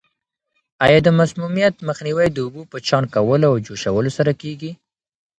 آیا د مسمومیت مخنیوی د اوبو په چاڼ کولو او جوشولو سره کیږي؟